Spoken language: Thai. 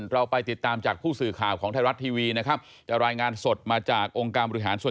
เราไปติดตามจากผู้สื่อข่าวของไทยรัฐทีวีนะครับจะรายงานสดมาจากองค์การบริหารส่วน